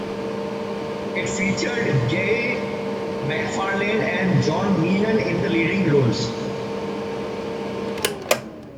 It featured Gaye MacFarlane and John Meehan in the leading roles.